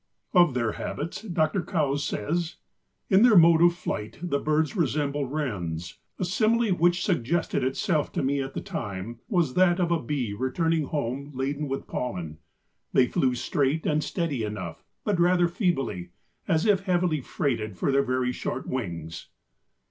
Of their habits, Dr. Coues says: "In their mode of flight the birds resemble wrens; a simile which suggested itself to me at the time was that of a bee returning home laden with pollen; they flew straight and steady enough, but rather feebly, as if heavily freighted for their very short wings."